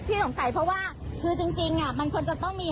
พี่เดินกับปลาเภอว่าคงจ่ายเองจริงเพราะว่าก้องใจ